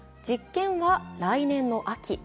実験は来年の秋。